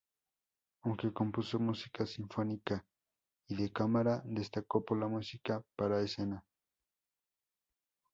Aunque compuso música sinfónica y de cámara, destacó por la música para escena.